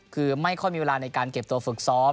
คือไม่ค่อยมีเวลาในการเก็บตัวฝึกซ้อม